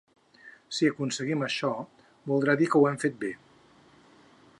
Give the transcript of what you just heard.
Si aconseguim això, voldrà dir que ho hem fet bé.